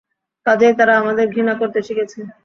কাজেই তারা আমাদের ঘৃণা করতে শিখেছে।